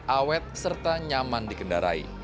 awet serta nyaman dikendarai